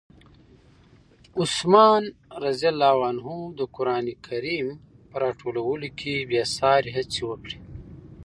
عثمان رض د قرآن کریم په راټولولو کې بې ساري هڅې وکړې.